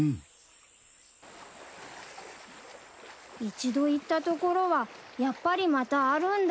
一度行った所はやっぱりまたあるんだね。